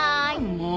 もう。